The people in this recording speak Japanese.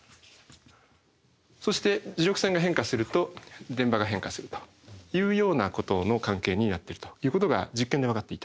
そして磁力線が変化すると電場が変化するというようなことの関係になってるということが実験でわかっていた。